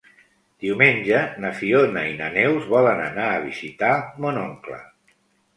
Diumenge na Fiona i na Neus volen anar a visitar mon oncle.